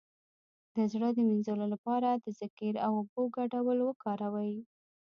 د زړه د مینځلو لپاره د ذکر او اوبو ګډول وکاروئ